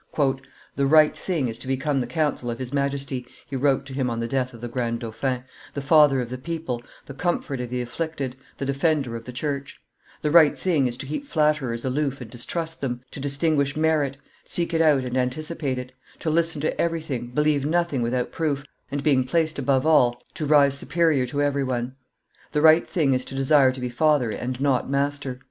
"The right thing is to become the counsel of his Majesty," he wrote to him on the death of the grand dauphin, "the father of the people, the comfort of the afflicted, the defender of the church; the right thing is to keep flatterers aloof and distrust them, to distinguish merit, seek it out and anticipate it, to listen to everything, believe nothing without proof, and, being placed above all, to rise superior to every one. The right thing is to desire to be father and not master.